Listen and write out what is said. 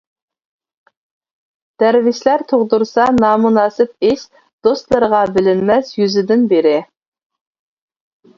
دەرۋىشلەر تۇغدۇرسا نامۇناسىپ ئىش، دوستلىرىغا بىلىنمەس يۈزىدىن بىرى.